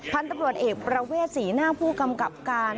พันธุ์ตำรวจเอกประเวทศรีหน้าผู้กำกับการ